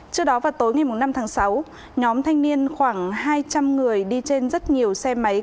trước đó vào tối ngày năm tháng sáu nhóm thanh niên khoảng hai trăm linh người đi trên rất nhiều xe máy